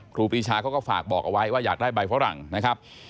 ครูปีชาเขาก็ฝากบอกเอาไว้ว่าอยากได้ใบฝรั่งนะครับ